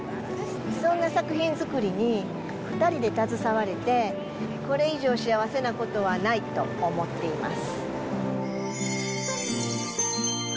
そんな作品作りに２人で携われて、これ以上幸せなことはないと思っています。